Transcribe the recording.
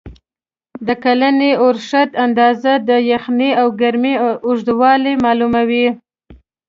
د کلني اورښت اندازه، د یخنۍ او ګرمۍ اوږدوالی معلوموي.